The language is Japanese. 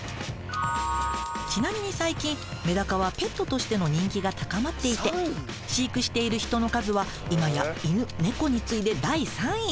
ちなみに最近メダカはペットとしての人気が高まっていて飼育している人の数は今や犬猫に次いで第３位。